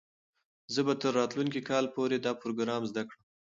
زه به تر راتلونکي کال پورې دا پروګرام زده کړم.